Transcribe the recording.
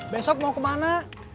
besok mau kemana